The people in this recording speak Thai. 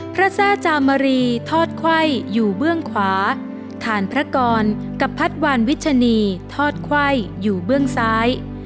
แทร่จามรีทอดไขว้อยู่เบื้องขวาถ่านพระกรกับพัดวานวิชนีทอดไขว้อยู่เบื้องซ้าย